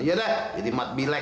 ya dah jadi mat bilek